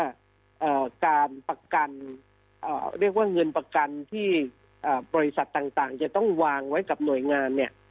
เอ่อการประกันเรียกว่าเงินประกันที่บริษัทต่างจะต้องวางไว้กับหน่วยงานเนี่ย